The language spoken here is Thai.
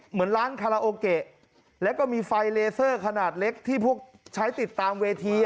เหมือนร้านคาราโอเกะแล้วก็มีไฟเลเซอร์ขนาดเล็กที่พวกใช้ติดตามเวที